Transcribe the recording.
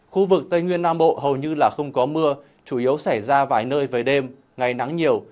khu vực tây nguyên nam bộ hầu như là không có mưa chủ yếu xảy ra vài nơi về đêm ngày nắng nhiều